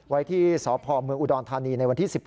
ไว้ที่สพเมืองอุดรธานีในวันที่๑๖